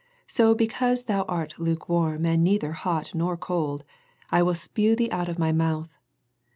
So because thou art lukewarm, and neither hot nor cold, I will spew thee out of My mouth.